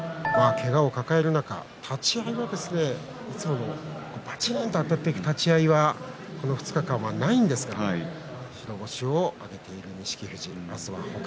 けがを抱える中、立ち合いはいつもの、ばちんとあたっていく立ち合いはこの２日間ないんですが白星を挙げている錦富士。